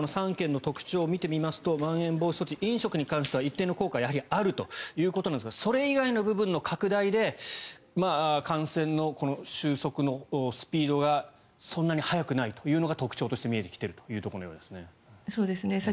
３県の特徴を見てみますとまん延防止措置飲食に関しては一定の効果があるということですがそれ以外の部分の拡大で感染の収束のスピードがそんなに速くないというのが特徴として見えてきているというようですね。